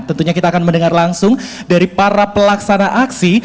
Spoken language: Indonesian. tentunya kita akan mendengar langsung dari para pelaksana aksi